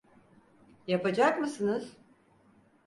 Yapacak mısınız?